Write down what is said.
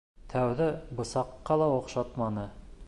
Тәүҙә бысаҡҡа ла оҡшатманы.